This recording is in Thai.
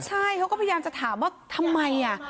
ใช่เขาก็พยายามจะถามว่าทำไม